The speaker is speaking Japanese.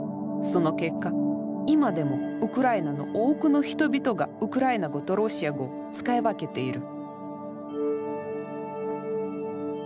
その結果今でもウクライナの多くの人々がウクライナ語とロシア語を使い分けている。